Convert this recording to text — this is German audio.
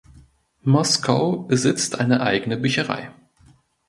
Moscow besitzt keine eigene Bücherei.